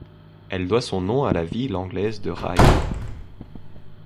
Elle doit son nom à la ville anglaise de Rye.